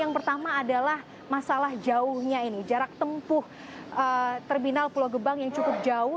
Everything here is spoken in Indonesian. yang pertama adalah masalah jauhnya ini jarak tempuh terminal pulau gebang yang cukup jauh